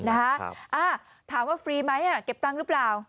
นะฮะครับอ่าถามว่าฟรีไหมอ่ะเก็บตังค์หรือเปล่า